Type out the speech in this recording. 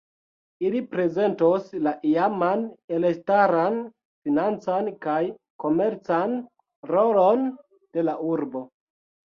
Ili prezentos la iaman elstaran financan kaj komercan rolon de la urbo.